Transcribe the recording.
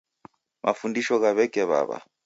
Mafundisho gha w'eke w'aw'a